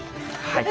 はい。